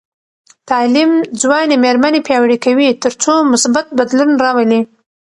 تعلیم ځوانې میرمنې پیاوړې کوي تر څو مثبت بدلون راولي.